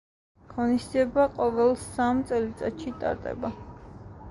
ღონისძიება ყოველ სამ წელიწადს ტარდება.